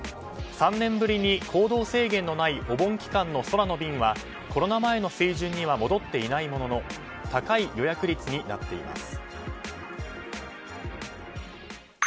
３年ぶりに行動制限のないお盆期間の空の便はコロナ前の水準には戻ってはいないものの高い予約率になっています。